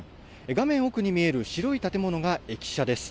画面奥に見える白い建物が駅舎です。